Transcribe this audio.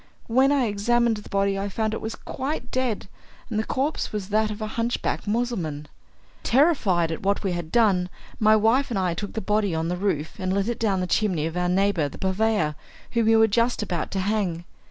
When I examined the body I found it was quite dead, and the corpse was that of a hunchback Mussulman. Terrified at what we had done, my wife and I took the body on the roof and let it down the chimney of our neighbour the purveyor, whom you were just about to hang.